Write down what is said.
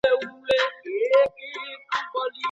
یوازي د حق غوښتلو سره بریا په لاس نه راځي.